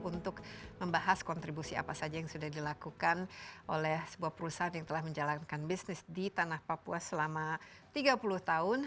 untuk membahas kontribusi apa saja yang sudah dilakukan oleh sebuah perusahaan yang telah menjalankan bisnis di tanah papua selama tiga puluh tahun